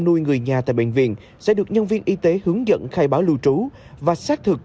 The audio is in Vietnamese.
nuôi người nhà tại bệnh viện sẽ được nhân viên y tế hướng dẫn khai báo lưu trú và xác thực